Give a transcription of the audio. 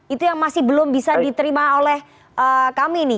itu yang masih belum bisa diterima oleh kami nih